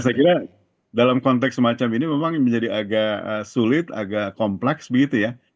saya kira dalam konteks semacam ini memang menjadi agak sulit agak kompleks begitu ya